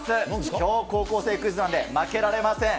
きょう、高校生クイズなんで負けられません。